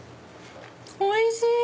おいしい！